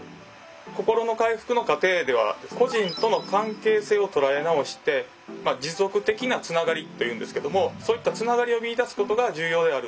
心の回復の過程では故人との関係性を捉え直して「持続的なつながり」と言うんですけどもそういったつながりを見い出すことが重要である。